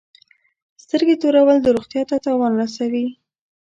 سترګي تورول روغتیا ته تاوان رسوي.